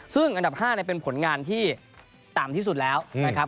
ซึ่งอันดับ๕เป็นผลงานที่ต่ำที่สุดแล้วนะครับ